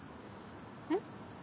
えっ？